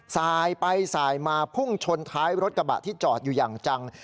สายไปสายมาพุ่งชนท้ายรถกระบะที่จอดอยู่อย่างจัง